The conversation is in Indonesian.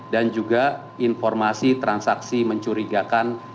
dan juga informasi transaksi mencurigakan